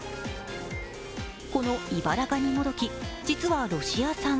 このイバラガニモドキ、実はロシア産。